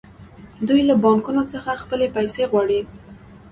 دوی له بانکونو څخه خپلې پیسې غواړي